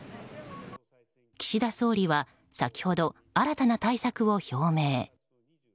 岸田総理は先ほど新たな対策を表明。